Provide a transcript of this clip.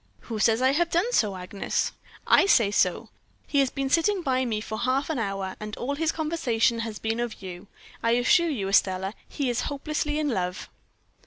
"'Who says I have done so, Agnes?' "'I say so. He has been sitting by me for half an hour, and all his conversation has been of you. I assure you, Estelle, he is hopelessly in love.'